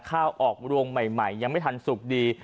ข้าวออกรวงใหม่ยังไม่ทันสุกดี